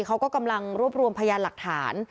เขาก็กำลังรวบรวมพยานหลักฐาน